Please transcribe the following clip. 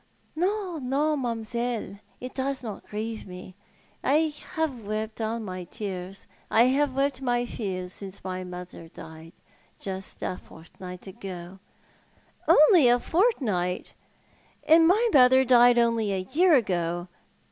"No, no, mam'selle, it does not grieve mo. I have wept all my tears. I have wept my fill since my mother died — ^just a fortnight ago." " Only a fortnight ! And my mother died only a year ago.